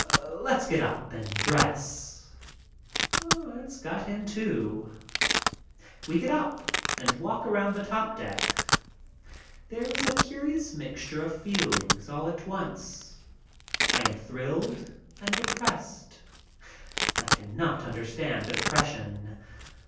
Let's get up and dress." It's got him, too. We get up and walk around the top deck. There is a curious mixture of feelings all at once. I am thrilled and depressed. I cannot understand the depression.